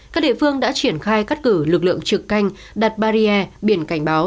các địa phương đã triển khai cắt cử lực lượng trực canh đặt barrier biển cảnh báo